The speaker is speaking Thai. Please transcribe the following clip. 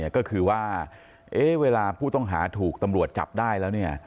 ก็คือว่าเวลาผู้ต้องหาถูกตำรวจจับได้แล้ว